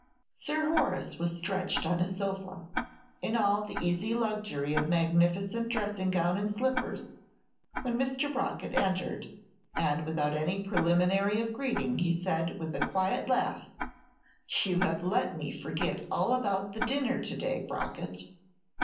Sir Horace was stretched on a sofa, in all the easy luxury of magnificent dressing gown and slippers, when Mr. Brockett entered; and without any preliminary of greeting he said, with a quiet laugh, "You have let me forget all about the dinner to day, Brockett!"